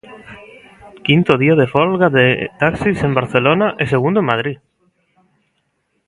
Quinto día de folga de taxis en Barcelona e segundo en Madrid.